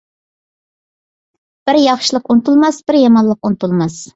بىر ياخشىلىق ئۇنتۇلماس، بىر يامانلىق ئۇنتۇلماس.